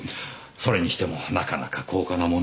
それにしてもなかなか高価なものを。